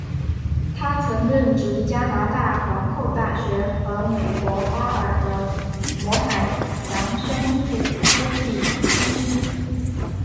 他曾任职加拿大皇后大学和美国巴尔的摩海洋生物科技中心。